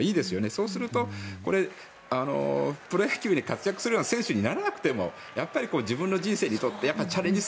そうするとプロ野球で活躍するような選手にならなくてもやっぱり自分の人生にとってチャレンジ